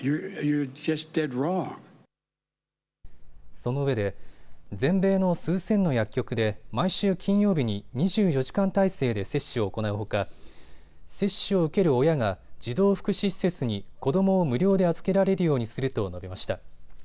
そのうえで全米の数千の薬局で毎週金曜日に２４時間態勢で接種を行うほか接種を受ける親が児童福祉施設に子どもを無料で預けられるようにすると述べました。